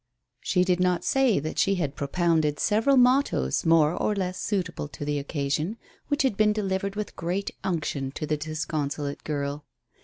She did not say that she had propounded several mottos more or less suitable to the occasion, which had been delivered with great unction to the disconsolate girl.